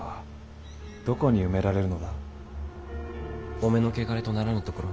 お目の穢れとならぬところに。